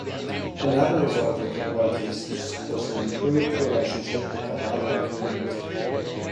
Another result of the protests was an improved relationship with the Harlem community.